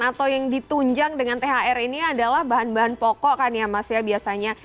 atau yang ditunjang dengan thr ini adalah bahan bahan pokok kan ya mas ya biasanya